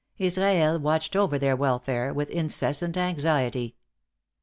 Israel watched over their welfare with incessant anxiety.